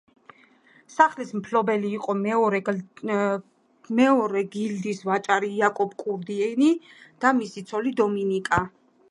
სახლის მფლობელი იყო მეორე გილდიის ვაჭარი იაკობ კუდრინი და მისი ცოლი დომინიკა.